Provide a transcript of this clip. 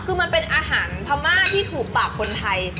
คือมันเป็นอาหารพม่าที่ถูกปากคนไทย